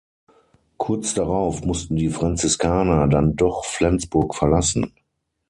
Kurz darauf mussten die Franziskaner dann doch Flensburg verlassen.